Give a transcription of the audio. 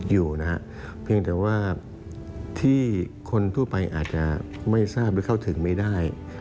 อยู่นะฮะเพียงแต่ว่าที่คนทั่วไปอาจจะไม่ทราบหรือเข้าถึงไม่ได้